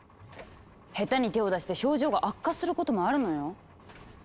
下手に手を出して症状が悪化することもあるのよ。